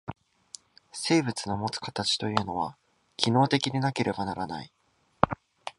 生物のもつ形というのは、機能的でなければならない。